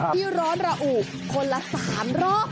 ที่ร้อนระอุคนละ๓รอบ